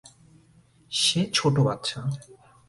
সে ছোট বাচ্চা।